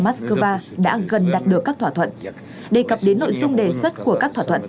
moscow đã gần đạt được các thỏa thuận đề cập đến nội dung đề xuất của các thỏa thuận